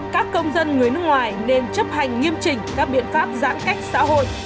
các công dân người nước ngoài nên chấp hành nghiêm trình các biện pháp giãn cách xã hội